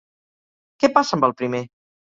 Què passa amb el primer?